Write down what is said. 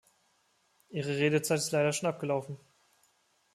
Ihre Redezeit ist leider schon abgelaufen.